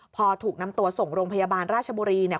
พอถูกนำตัวส่งโรงพยาบาลราชบุรีเนี่ย